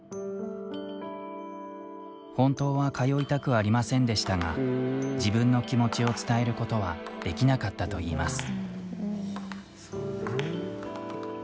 本当は通いたくありませんでしたが自分の気持ちを伝えることはできなかったといいます。